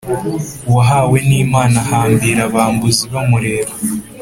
Uwahawe n’Imana ahambira abambuzi bamureba